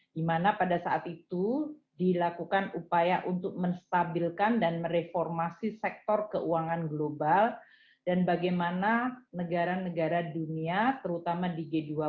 dimana pada saat itu dilakukan upaya untuk menstabilkan dan mereformasi sektor keuangan global dan bagaimana negara negara dunia terutama di g dua puluh